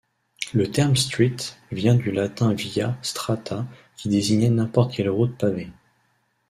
Le terme street vient du latin via strata qui désignait n'importe quelle route pavée.